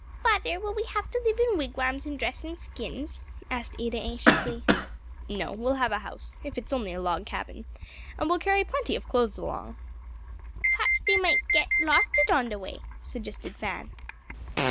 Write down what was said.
"Father, will we have to live in wigwams and dress in skins?" asked Ada, anxiously. "No; we'll have a house; if it is only a log cabin, and we'll carry plenty of clothes along." "P'raps dey might det losted on the way," suggested Fan.